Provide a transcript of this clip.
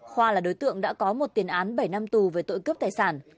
khoa là đối tượng đã có một tiền án bảy năm tù về tội cướp tài sản